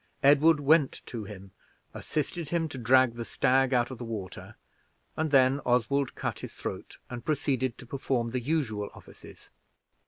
Edward went to him, assisted him to drag the stag out of the water, and then Oswald cut its throat, and proceeded to perform the usual offices.